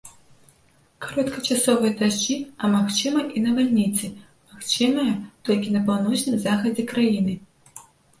Кароткачасовыя дажджы, а магчыма і навальніцы, магчымыя толькі на паўночным захадзе краіны.